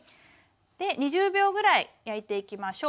２０秒ぐらい焼いていきましょう。